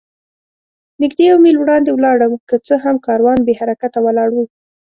نږدې یو میل وړاندې ولاړم، که څه هم کاروان بې حرکته ولاړ و.